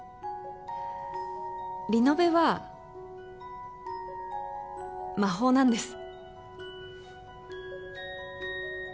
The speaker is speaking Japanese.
リノベは魔法なんです。